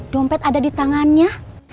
dompet ada di tangannya